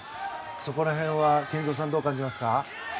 そこら辺は健三さんどう感じますか？